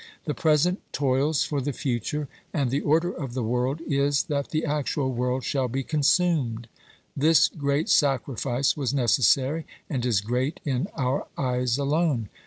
The present toils for the future and the order of the world is that the actual world shall be consumed ; this great sacrifice was necessary, and is great in our eyes alone.